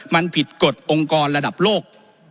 มันผิดกฎองค์กรระดับโลก